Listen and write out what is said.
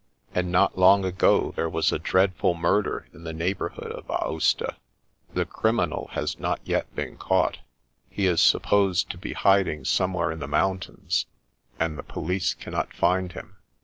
And not long ago there was a dreadful murder in the neighbourhood of Aosta. The criminal has not yet been caught He is supposed to be hiding some where in the mountains, and the police cannot find him.